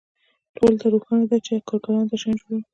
ټولو ته روښانه ده چې کارګرانو دا شیان جوړ کړي